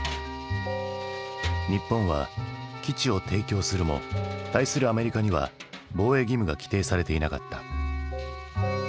日本は基地を提供するも対するアメリカには防衛義務が規定されていなかった。